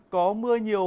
có mưa nhiều